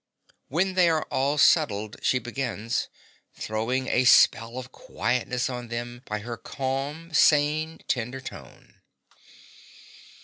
When they are all settled she begins, throwing a spell of quietness on them by her calm, sane, tender tone.)